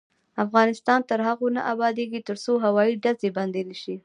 افغانستان تر هغو نه ابادیږي، ترڅو هوایي ډزې بندې نشي.